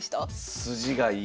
筋がいい。